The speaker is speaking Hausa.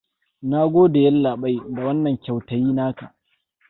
Na gode yallaɓai, da wannan kyautayi na ka.